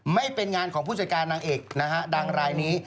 ไม่เป็นงานของผู้จัดการนางเอกนะฮะดังรายนี้